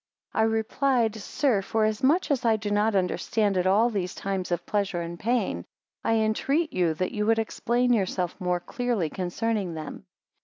33 I replied; Sir, forasmuch as I do not understand at all these times of pleasure and pain; I entreat you that you would explain yourself more clearly concerning them.